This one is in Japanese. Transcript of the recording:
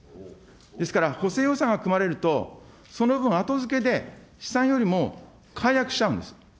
ですから補正予算が組まれると、その分、後付けで試算よりも改悪しちゃうんです。